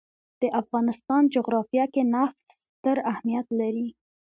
د افغانستان جغرافیه کې نفت ستر اهمیت لري.